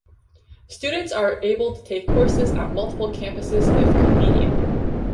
Students are able to take courses at multiple campuses if convenient.